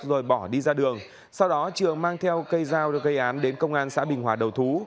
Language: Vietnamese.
rồi bỏ đi ra đường sau đó trường mang theo cây dao được gây án đến công an xã bình hòa đầu thú